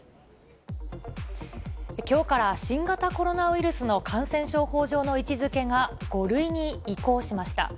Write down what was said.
きょうから新型コロナウイルスの感染症法上の位置づけが５類に移行しました。